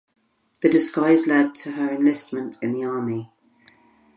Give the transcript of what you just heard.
The disguise led to her enlistment in the army.